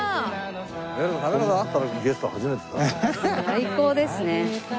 最高ですね。